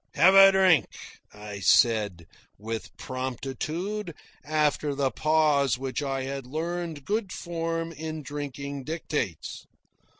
"Have a drink," I said, with promptitude, after the pause which I had learned good form in drinking dictates.